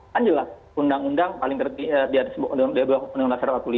kan jelas undang undang paling terdiri di atas undang undang seribu sembilan ratus empat puluh lima